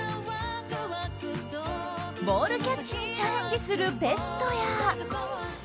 ボールキャッチチャレンジにチャレンジするペットや。